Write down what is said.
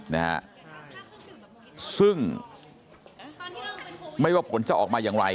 เลยครับซึ่งไม่ว่าผลจะออกมาอย่างไร